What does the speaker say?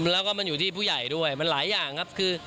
แล้วก็มันอยู่ที่ผู้ใหญ่ด้วยมันหลายอย่างครับคือ